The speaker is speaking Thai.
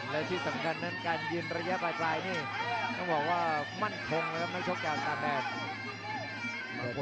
และที่สำคัญกับการยืนทางระยะปลายนี้ต้องพอว่ามั่งคงจะชกไก่แมรด